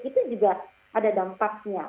itu juga ada dampaknya